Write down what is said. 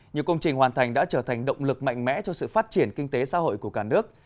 nhiều công trình hoàn thành đã trở thành động lực mạnh mẽ cho sự phát triển kinh tế xã hội của cả nước